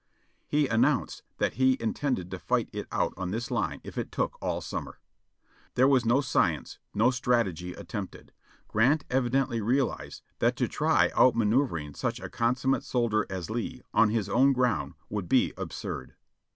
He announced that he intended fighting it out on this line if it took all summer. There was no science — no strategy attempted ; Grant evi dently realized that to try out manoeuvring such a consummate soldier as Lee, on his own ground, would be absurd.